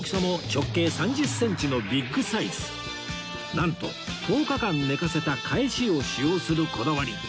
なんと１０日間寝かせたかえしを使用するこだわり